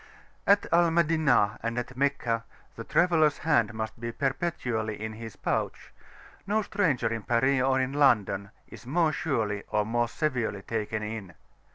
At Al Madinah and at Meccah the traveller's hand must be perpetually in his pouch: no stranger in Paris or in London is more surely or more severely taken in.